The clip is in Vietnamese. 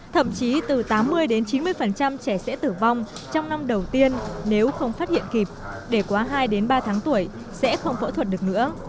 thậm chí từ tám mươi đến chín mươi trẻ sẽ tử vong trong năm đầu tiên nếu không phát hiện kịp để quá hai ba tháng tuổi sẽ không phẫu thuật được nữa